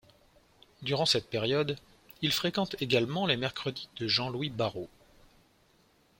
Durant cette période, il fréquente également les mercredis de Jean-Louis Barrault.